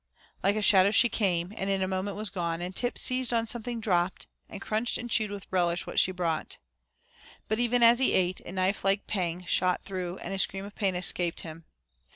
Like a shadow she came and in a moment was gone, and Tip seized on something dropped, and crunched and chewed with relish what she brought. But even as he ate, a knife like pang shot through and a scream of pain escaped him.